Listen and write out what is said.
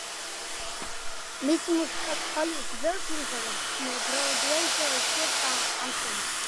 მისი მუსიკალური კომპოზიციები ჰოლივუდში ბევრ ფილმსა და ბროდვეის შოუებს ამშვენებს.